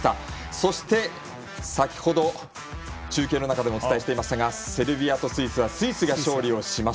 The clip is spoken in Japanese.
そして先ほど中継の中でもお伝えしていましたがセルビアとスイスはスイスが勝利です。